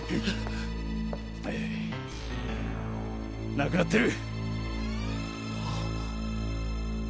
亡くなってる！